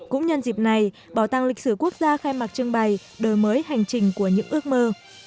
cũng nhân dịp này bảo tàng lịch sử quốc gia khai mạc trưng bày đổi mới hành trình của những ước mơ